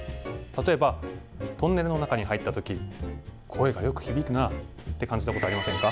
例えばトンネルの中に入った時声がよく響くなって感じたことありませんか？